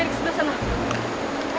ayo kita cari sebelah sana